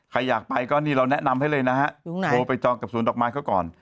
ใครอยากไปก็นี่เราแนะนำให้เลยนะฮะโทรไปจองกับสวนดอกไม้เขาก่อน